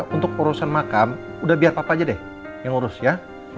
untuk urusan makam udah biar papa aja deh yang ngurus ya